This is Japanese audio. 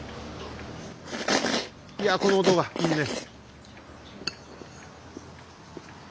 いやこの音がいいね！